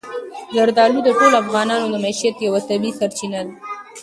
زردالو د ټولو افغانانو د معیشت یوه طبیعي سرچینه ده.